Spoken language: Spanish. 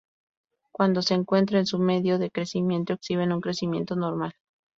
Cuando se encuentra en su medio de crecimiento, exhiben un crecimiento normal.